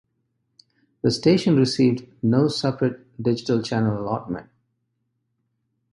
The station received no separate digital channel allotment.